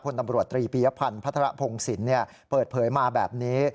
ตำรวจตรีปียพันธ์พัฒระพงศิลป์เปิดเผยมาแบบนี้